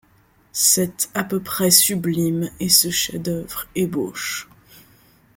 Cet à peu près sublime et ce chef-d’œuvre ébauche